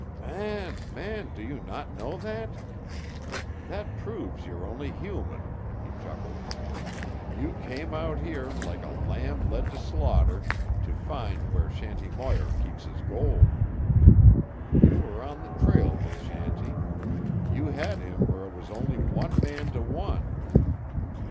"Man, man! Do you not know that? That proves you're only human!" he chuckled. "You came out here, like a lamb led to slaughter, to find where Shanty Moir keeps his gold. You were on the trail with Shanty. You had him where it was only one man to one.